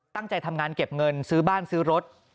ตั้งใจทำงานเก็บเงินซื้อบ้านซื้อรถ